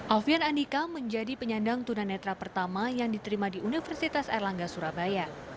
alfian andika menjadi penyandang tunanetra pertama yang diterima di universitas erlangga surabaya